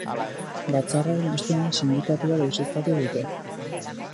Batzarraren ostean sindikatua deuseztatu dute.